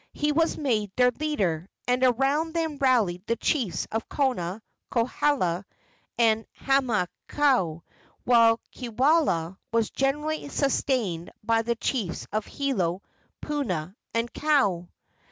He was made their leader, and around him rallied the chiefs of Kona, Kohala and Hamakua, while Kiwalao was generally sustained by the chiefs of Hilo, Puna and Kau.